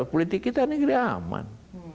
politik kita negeri aman